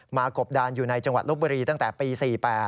กบดานอยู่ในจังหวัดลบบุรีตั้งแต่ปี๔๘